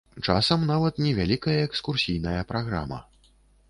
Часам нават невялікая экскурсійная праграма.